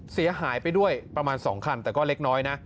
เสียหายไปด้วยประมาณ๒คันแต่ก็เล็กน้อยนะ